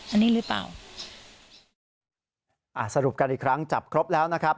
อันนี้หรือเปล่าอ่าสรุปกันอีกครั้งจับครบแล้วนะครับ